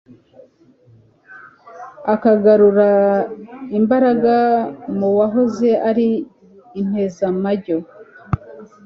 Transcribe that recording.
akagarura imbaraga mu wahoze ari impezamajyo.